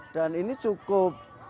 dan ini cukup